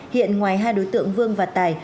hiện ngoài hai đối tượng vương và tài